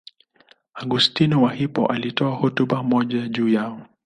Augustino wa Hippo alitoa hotuba moja juu yao.